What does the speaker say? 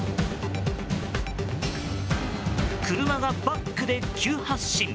車がバックで急発進。